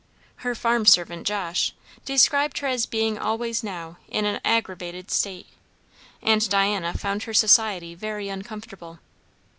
Her farm servant, Josh, described her as being always now in an "aggravated" state; and Diana found her society very uncomfortable.